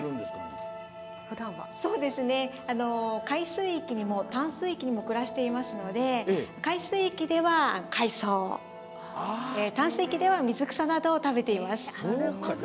海水域にも淡水域にも暮らしていますので海水域では海草を淡水域では水草などを食べています。